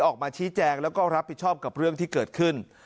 ออกมาชี้แจงแล้วก็รับผิดชอบกับเรื่องที่เกิดขึ้น